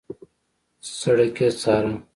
سړک يې څاره.